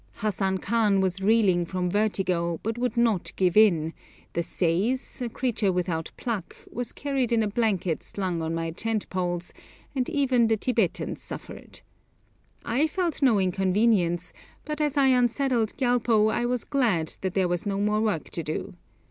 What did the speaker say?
Hassan Khan was reeling from vertigo, but would not give in; the seis, a creature without pluck, was carried in a blanket slung on my tent poles, and even the Tibetans suffered. I felt no inconvenience, but as I unsaddled Gyalpo I was glad that there was no more work to do!